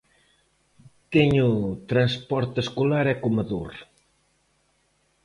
Teño transporte escolar e comedor.